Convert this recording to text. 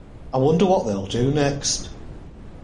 I wonder what they’ll do next!